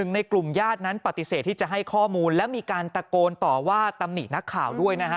ในกลุ่มญาตินั้นปฏิเสธที่จะให้ข้อมูลและมีการตะโกนต่อว่าตำหนินักข่าวด้วยนะฮะ